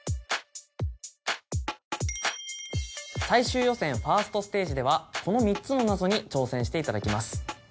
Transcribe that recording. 最終予選１ｓｔステージではこの３つの謎に挑戦していただきます。